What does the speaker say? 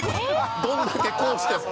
どんだけこうしても。